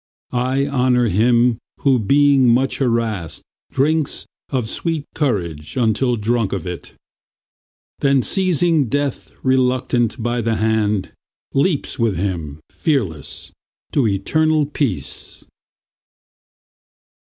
I honor him who being much harassed Drinks of sweet courage until drunk of it, Then seizing Death, reluctant, by the hand, Leaps with him, fearless, to eternal peace!